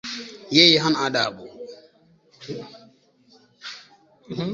Yeye hana adabu